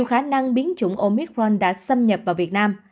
khả năng biến chủng omicron đã xâm nhập vào việt nam